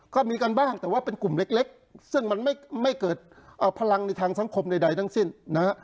ก็มีการบ้างแต่ว่าเป็นกลุ่มเล็กซึ่งมันไม่เกิดพลังในทางสังคมใดทั้งสิ้นนะฮะ